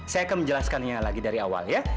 saya akan menjelaskannya lagi dari awal ya